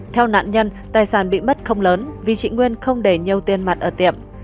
theo nạn nhân tài sản bị mất không lớn vì chị nguyên không để nhiều tiền mặt ở tiệm